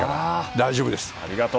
大丈夫です！